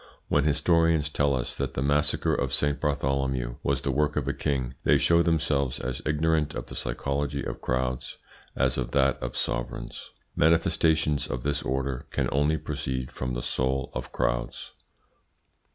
When historians tell us that the massacre of Saint Bartholomew was the work of a king, they show themselves as ignorant of the psychology of crowds as of that of sovereigns. Manifestations of this order can only proceed from the soul of crowds.